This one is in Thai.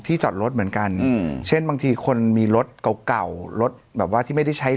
จอดรถเหมือนกันเช่นบางทีคนมีรถเก่าเก่ารถแบบว่าที่ไม่ได้ใช้